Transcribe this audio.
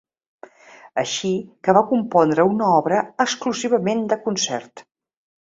Així que va compondre una obra exclusivament de concert.